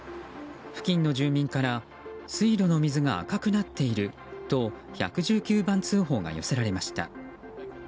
付近の住民から水路の水が赤くなっていると１１９番通報が寄せられました。